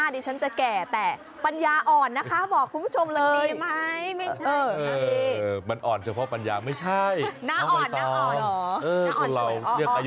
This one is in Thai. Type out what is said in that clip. ดิฉันจะไม่มีวันถึง